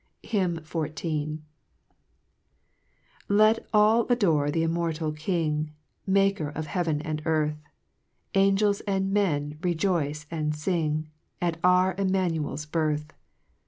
HYMN XIV. 1 "1 r ET all adore th' immortal King, I A Maker of heaven and earth ; Angels and men, rejoice and fiug, At our Imtnanuel's birth.